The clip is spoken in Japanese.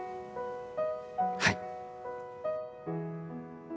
はい。